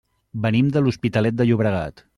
Venim de l'Hospitalet de Llobregat.